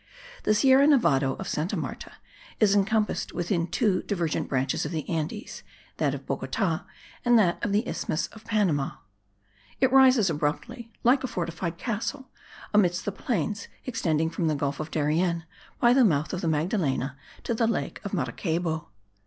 The Sierra Nevado of Santa Marta is encompassed within two divergent branches of the Andes, that of Bogota, and that of the isthmus of Panama. It rises abruptly like a fortified castle, amidst the plains extending from the gulf of Darien, by the mouth of the Magdalena, to the lake of Maracaybo.